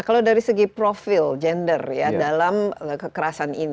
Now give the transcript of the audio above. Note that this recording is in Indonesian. kalau dari segi profil gender ya dalam kekerasan ini